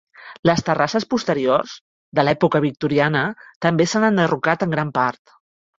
Les terrasses posteriors, de l'època victoriana, també s'han enderrocat en gran part.